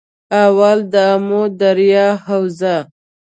اول- دآمو دریا حوزه